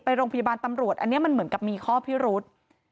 ไปโรงพยาบาลตำรวจอันนี้มันเหมือนกับมีข้อพิรุษ